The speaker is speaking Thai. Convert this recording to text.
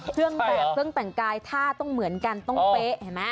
เครื่องแบบเครื่องแต่งกายท่าต้องเหมือนกันต้องเป๊ะเห็นไหม